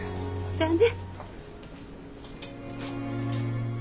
じゃあね。